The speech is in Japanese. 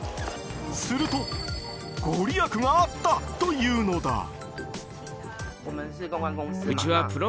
すると、ご利益があったというのだ。